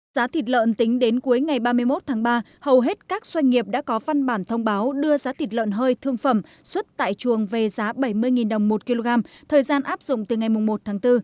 giá thịt lợn tính đến cuối ngày ba mươi một tháng ba hầu hết các doanh nghiệp đã có văn bản thông báo đưa giá thịt lợn hơi thương phẩm xuất tại chuồng về giá bảy mươi đồng một kg thời gian áp dụng từ ngày một tháng bốn